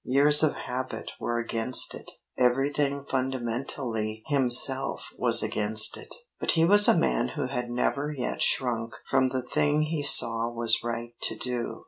Years of habit were against it; everything fundamentally himself was against it. But he was a man who had never yet shrunk from the thing he saw was right to do.